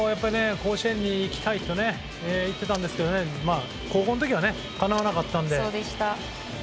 甲子園に行きたいと言っていたんですが高校の時はかなわなかったので。